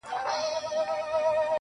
همدا اوس وايم درته~